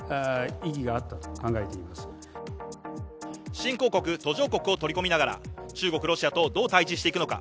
新興国・途上国を取り込みながら中国・ロシアとどう対峙していくのか。